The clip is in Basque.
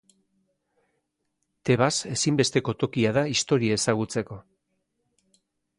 Tebas ezinbesteko tokia da Historia ezagutzeko.